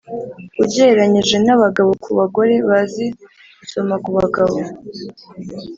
ugereranyije n abagabo ku bagore bazi gusoma ku bagabo